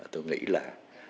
tôi nghĩ là